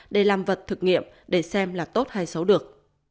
để làm vật thực nghiệm để xem là tốt hay xấu được